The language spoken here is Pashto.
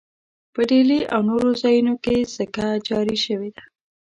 په ډهلي او نورو ځایونو کې سکه جاري شوې ده.